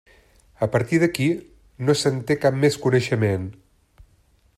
A partir d'aquí no se'n té cap més coneixement.